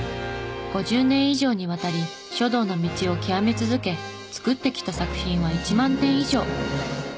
５０年以上にわたり書道の道を究め続け作ってきた作品は１万点以上。